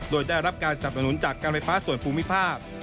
โดยได้รับการสนับสนุนจากการไฟฟ้าส่วนภูมิภาค